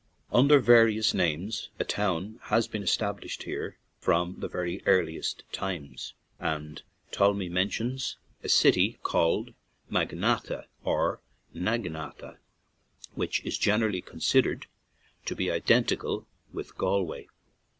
Under various names a town has been established here from the very earliest times, and Ptolemy mentions a city called Magnata, or Nagnata, which is gener ally considered to be identical with Gal way.